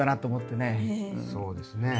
そうですね。